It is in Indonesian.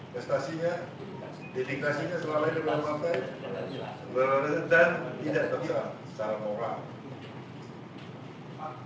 prestasinya indikasinya selalunya di luar pantai dan tidak terjual secara normal